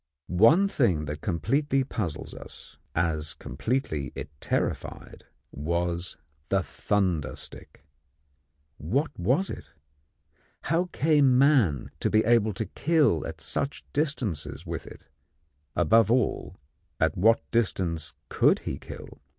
One thing that completely puzzled us as completely as it terrified was the thunder stick. What was it? How came man to be able to kill at such distances with it? Above all, at what distance could he kill?